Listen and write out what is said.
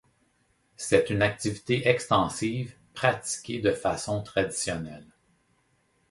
C’est une activité extensive, pratiquée de façon traditionnelle.